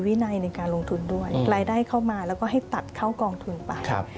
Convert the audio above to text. วินัยในการลงทุนด้วยรายได้เข้ามาแล้วก็ให้ตัดเข้ากองทุนไป